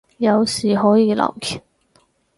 有事可以留言